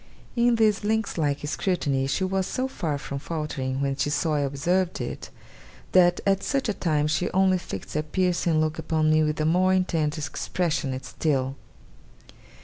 In this lynx like scrutiny she was so far from faltering when she saw I observed it, that at such a time she only fixed her piercing look upon me with a more intent expression still.